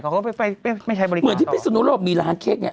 ก็ไปใช้บริการต่อเลยว่าเหมือนพี่สุโนโรบมีร้านเค้กนี้